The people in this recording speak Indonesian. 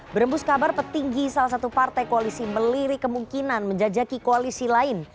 berembus kabar petinggi salah satu partai koalisi melirik kemungkinan menjajaki koalisi lain